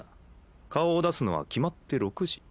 顔を出すのは決まって６時。